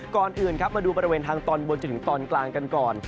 ก่อนอื่นครับมาดูบริเวณทางตอนบนจนถึงตอนกลางกันก่อน